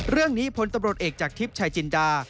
เรื่องนี้พ้นตำรวจเอกจากทริปชายจินดา